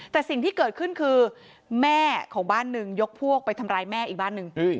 แต่สิ่งที่เกิดขึ้นคือแม่ของบ้านหนึ่งยกพวกไปทำร้ายแม่อีกบ้านหนึ่ง